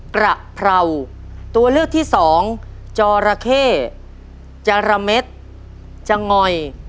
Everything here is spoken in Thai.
กระเพราตัวเลือกที่สองจอระเข้จาระเม็ดจงอย